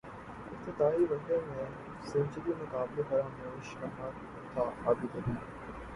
افتتاحی one day میں century ناقابل فراموش لمحہ تھاعابدعلی